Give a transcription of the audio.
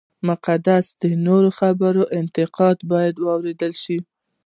مقصد د نورو خبرې او انتقاد باید واورېدل شي.